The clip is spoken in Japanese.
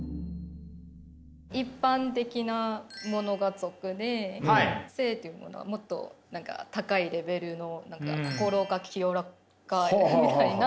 一般的なものが俗で聖というものはもっと高いレベルの心が清らかみたいな。